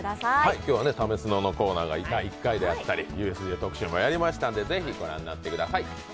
今日は「＃ためスノ」のコーナーが第１回であったりＵＳＪ特集もやりましたのでぜひ、ご覧ください。